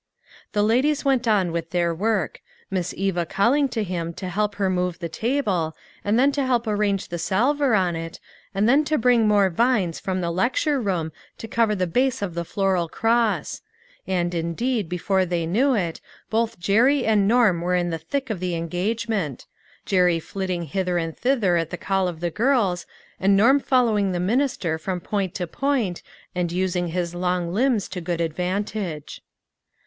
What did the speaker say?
The ladies went on with their work ; Miss Eva calling to him to help her move the table, and then to help arrange the salver on it, and then to bring more vines from the lecture room to cover the base of the floral cross ; and indeed, before they knew it, both Jerry and Norm were in the thick of the engagement ; Jerry flitting hither and thither at the call of the girls, and Norm following the minister from point to point, and using his long limbs to good advan tage.